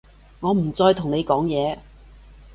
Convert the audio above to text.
我唔再同你講嘢